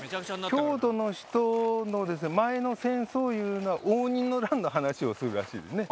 京都の人の「前の戦争」いうのは応仁の乱の話をするらしいですね。